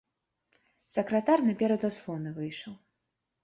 Сакратар наперад заслоны выйшаў.